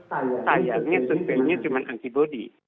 sebenarnya surveinya cuma antibody